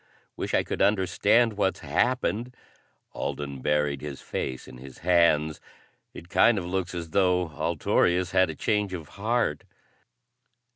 Wish I could understand what's happened." Alden buried his face in his hands. "It kind of looks as though Altorius had a change of heart."